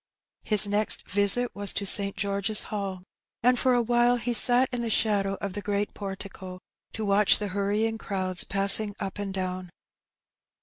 His next visit was to St. George's Hall, and for a while he sat in the shadow of the great portico to watch the hurrying crowds passing up and down.